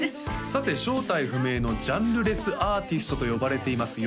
さて正体不明のジャンルレスアーティストと呼ばれています